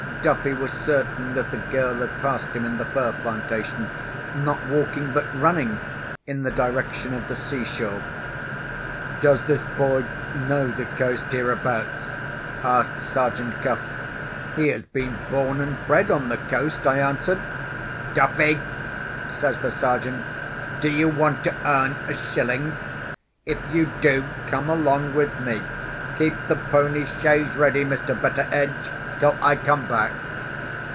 Duffy was certain that the girl had passed him in the fir plantation, not walking, but running, in the direction of the sea shore. "Does this boy know the coast hereabouts?" asked Sergeant Cuff. "He has been born and bred on the coast," I answered. "Duffy!" says the Sergeant, "do you want to earn a shilling? If you do, come along with me. Keep the pony chaise ready, Mr. Betteredge, till I come back."